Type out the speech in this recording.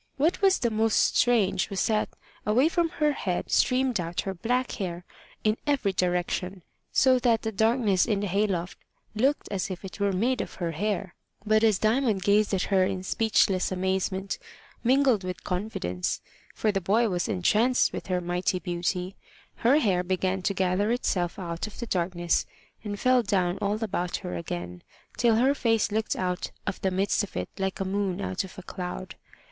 What was the most strange was that away from her head streamed out her black hair in every direction, so that the darkness in the hay loft looked as if it were made of her hair but as Diamond gazed at her in speechless amazement, mingled with confidence for the boy was entranced with her mighty beauty her hair began to gather itself out of the darkness, and fell down all about her again, till her face looked out of the midst of it like a moon out of a cloud.